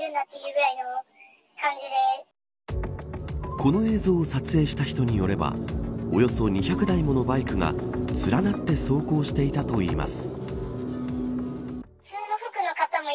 この映像を撮影した人によればおよそ２００台ものバイクが連なって走行していたといいます。